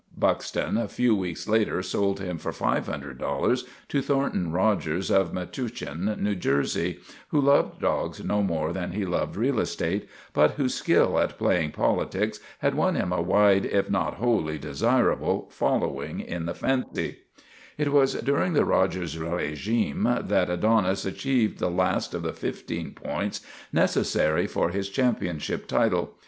Buxton, a few weeks later, sold him for $500 to Thornton Rogers of Metuchen, N. J., THE RETURN OF THE CHAMPION 289 who loved dogs no more than he loved real estate, but whose skill at playing politics had won him a wide if not wholly desirable following in the fancy. It was during the Rogers regime that Adonis achieved the last of the fifteen points necessary for his championship title.